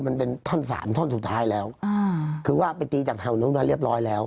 มันเป็นท่อนสามท่อนสุดท้ายแล้วอ่าคือว่าไปตีจากแถวนู้นแล้วเรียบร้อยแล้ว